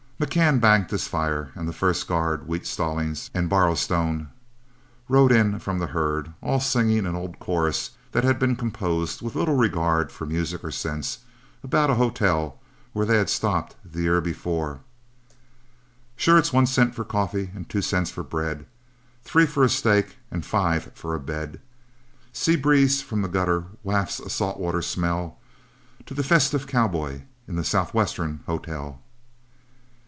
McCann banked his fire, and the first guard, Wheat, Stallings, and Borrowstone, rode in from the herd, all singing an old chorus that had been composed, with little regard for music or sense, about a hotel where they had stopped the year before: "Sure it's one cent for coffee and two cents for bread, Three for a steak and five for a bed, Sea breeze from the gutter wafts a salt water smell, To the festive cowboy in the Southwestern hotel."